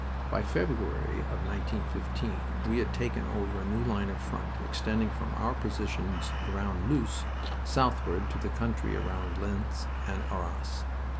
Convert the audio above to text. By February of 1915 we had taken over a new line of front, extending from our positions round Loos southward to the country round Lens and Arras.